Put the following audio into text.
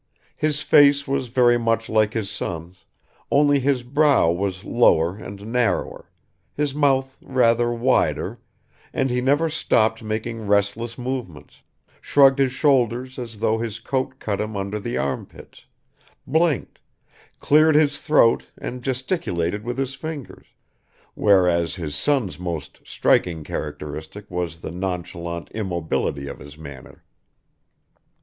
His face was very much like his son's, only his brow was lower and narrower, his mouth rather wider, and he never stopped making restless movements, shrugged his shoulders as though his coat cut him under the armpits, blinked, cleared his throat and gesticulated with his fingers, whereas his son's most striking characteristic was the nonchalant immobility of his manner.